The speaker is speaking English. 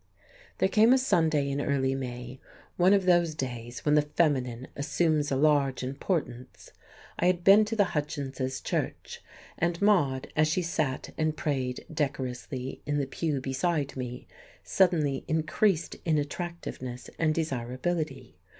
There came a Sunday in early May, one of those days when the feminine assumes a large importance. I had been to the Hutchinses' church; and Maude, as she sat and prayed decorously in the pew beside me, suddenly increased in attractiveness and desirability.